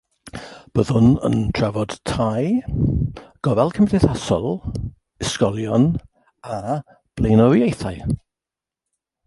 Byddwn yn trafod tai, gofal cymdeithasol, ysgolion y blaenoriaethau.